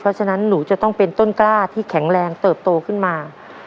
เพราะฉะนั้นหนูจะต้องเป็นต้นกล้าที่แข็งแรงเติบโตขึ้นมา